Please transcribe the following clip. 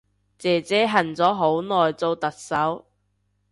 姐姐恨咗好耐做特首